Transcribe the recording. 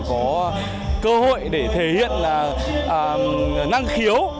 có cơ hội để thể hiện năng khiếu